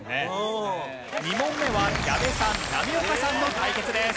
２問目は矢部さん波岡さんの対決です。